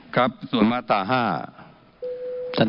ครับส่วนมาตรา๕